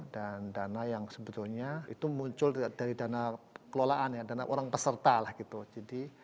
dana yang sebetulnya itu muncul dari dana kelolaannya dan orang peserta lah gitu jadi